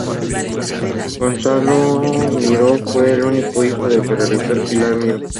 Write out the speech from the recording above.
Gonzalo Miró fue el único hijo de la realizadora Pilar Miró.